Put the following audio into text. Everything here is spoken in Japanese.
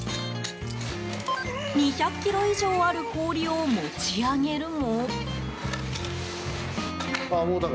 ２００ｋｇ以上ある氷を持ち上げるも。